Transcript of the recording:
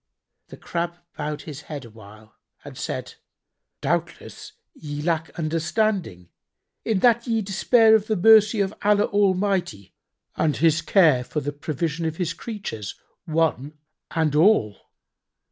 The Crab bowed his head awhile and said, "Doubtless ye lack understanding, in that ye despair of the mercy of Allah Almighty and His care for the provision of His creatures one and all.